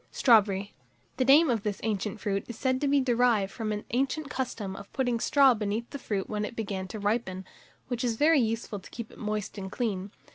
STRAWBERRY. The name of this favourite fruit is said to be derived from an ancient custom of putting straw beneath the fruit when it began to ripen, which is very useful to keep it moist and clean.